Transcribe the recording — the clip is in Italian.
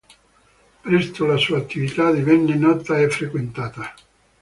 Presto la sua attività divenne nota e frequentata.